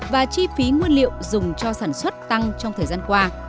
và chi phí nguyên liệu dùng cho sản xuất tăng trong thời gian qua